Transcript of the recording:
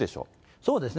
そうですね。